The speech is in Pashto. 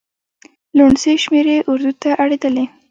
لوڼسې شمېرې اردو ته اړېدلي.